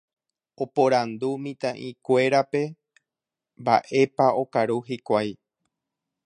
Oporandu mitã'ikúerape mba'épa okaru hikuái.